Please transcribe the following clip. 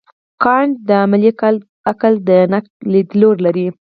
کانټ د عملي عقل د نقد لیدلوری لري.